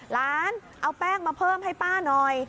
เอาแป้งมาเพิ่มให้ป้าหน่อย